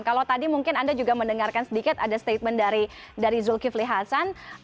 kalau tadi mungkin anda juga mendengarkan sedikit ada statement dari zulkifli hasan